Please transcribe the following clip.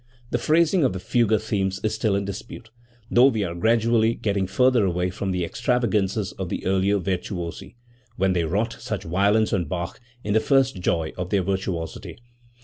The phrasing of the fugue themes is still in dispute, though we are gradually getting further away from the extravagances of the earlier virtuosi, when they wrought such violence on Bach in the first joy of their virtuosity.